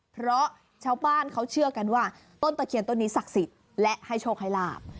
เพราะชาวบ้านเขาเชื่อกันว่าต้นตะเคียนต้นนี้ศักดิ์สิทธิ์และให้โชคให้ลาบ